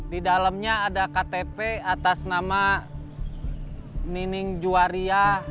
di dalamnya ada ktp atas nama ninding juwari ya